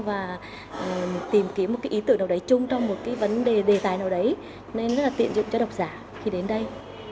và tìm kiếm một cái ý tưởng nào đấy chung trong một cái vấn đề đề tài nào đấy nên rất là tiện dụng cho độc giả khi đến đây